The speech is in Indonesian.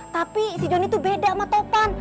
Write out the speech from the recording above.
tapi si joni itu beda sama topan